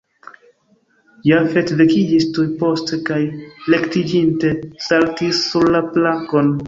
Jafet vekiĝis tuj poste kaj rektiĝinte saltis sur la plankon.